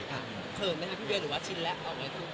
เผินไหมหรือชินแล้ว